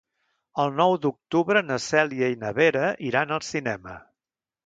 El nou d'octubre na Cèlia i na Vera iran al cinema.